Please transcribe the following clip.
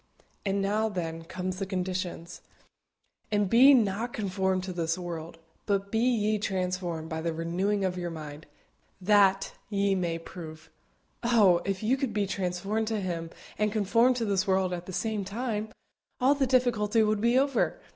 And now, then, comes the conditions: "And be not conformed to this world: but be ye transformed by the renewing of your mind, that ye may prove." Oh! if you could be transformed to Him and conformed to this world at the same time, all the difficulty would be over.